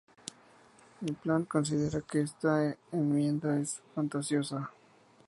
I. M. Plant considera que esta enmienda es "fantasiosa".